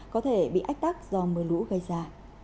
có thể bị ách tắc do mưa lũ gây ra